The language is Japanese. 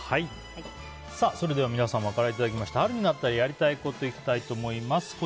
それでは皆様からいただきました春になったらやりたいこといきたいと思います。